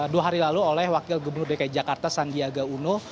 dua hari lalu oleh wakil gubernur dki jakarta sandiaga uno